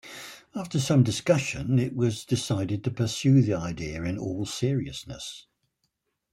After some discussion it was decided to pursue the idea in all seriousness.